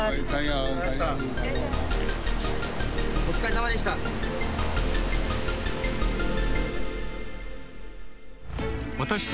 お疲れさまでした。